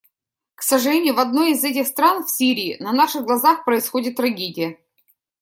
К сожалению, в одной из этих стран — в Сирии — на наших глазах происходит трагедия.